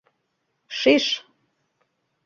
— Шиш...